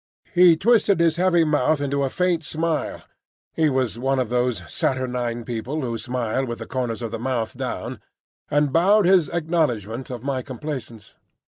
He twisted his heavy mouth into a faint smile—he was one of those saturnine people who smile with the corners of the mouth down,—and bowed his acknowledgment of my complaisance.